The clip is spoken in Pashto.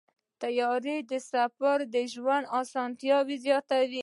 د طیارې سفر د ژوند اسانتیاوې زیاتوي.